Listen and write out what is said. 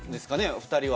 お２人は。